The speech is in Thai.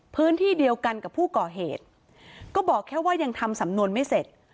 พื้นที่เดียวกันกับผู้ก่อเหตุก็บอกแค่ว่ายังทำสำนวนไม่เสร็จ